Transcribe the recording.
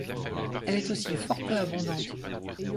Elle est aussi fort peu abondante.